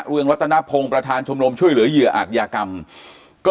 เรืองรัตนพงศ์ประธานชมรมช่วยเหลือเหยื่ออาจยากรรมก็